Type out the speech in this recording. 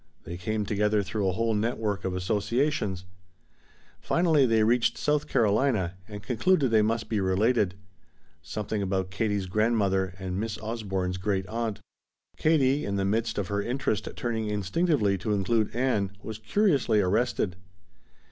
They came together through a whole network of associations. Finally they reached South Carolina and concluded they must be related something about Katie's grandmother and Miss Osborne's great aunt . Katie, in the midst of her interest turning instinctively to include Ann, was curiously arrested.